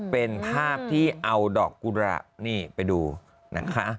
เป็นภาพที่เอาดอกกุระนี่ไปดูนะคะ